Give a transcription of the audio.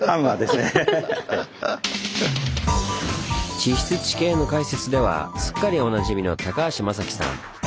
地質・地形の解説ではすっかりおなじみの高橋雅紀さん。